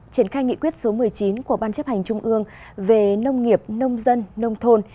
triển khai nghị quyết số một mươi chín của ban chấp hành trung ương về nông nghiệp nông dân nông thôn